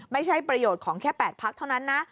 ไม่ใช่ประโยชน์ของแค่๘พักเท่านั้นนะ